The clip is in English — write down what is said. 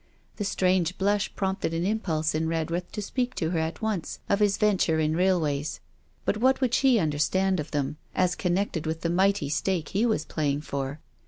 The strange blush prompted an impulse in Redworth to speak to her at once of his venture in railways. But what would she understand of them, as connected with the mighty stake he was playing for?